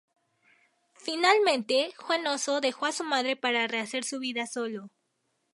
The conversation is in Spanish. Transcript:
Finalmente Juan Oso dejo a su madre para rehacer su vida solo.